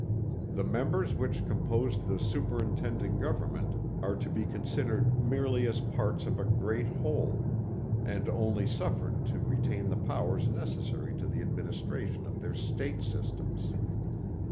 The members which compose the superintending government are to be considered merely as parts of a great whole, and only suffered to retain the powers necessary to the administration of their State systems.